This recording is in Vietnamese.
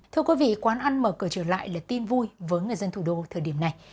thưa quý vị quán ăn mở cửa trở lại là tin vui với người dân thủ đô thời điểm này